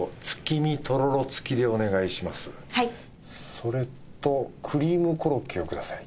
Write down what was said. それとクリームコロッケをください。